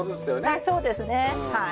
あっそうですねはい。